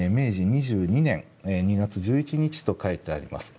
２２年２月１１日と書いてあります。